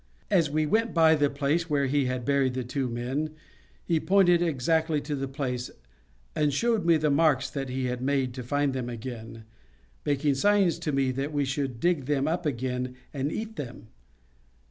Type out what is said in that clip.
As we went by the place where he had buried the two men, he pointed exactly to the place, and showed me the marks that he had made to find them again, making signs to me that we should dig them up again and eat them.